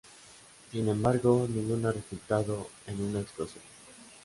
Sin embargo, ninguna ha resultado en una explosión.